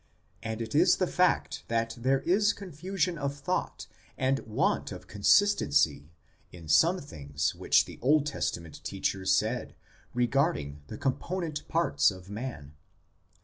And it is the fact that there is confusion of thought and want 12 THE CONSTITUENT PARTS OF MAN 13 of consistency in some things which the Old Testament teachers said regarding the component parts of man.